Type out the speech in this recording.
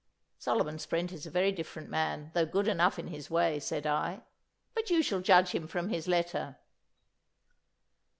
'Solomon Sprent is a very different man, though good enough in his way,' said I. 'But you shall judge him from his letter.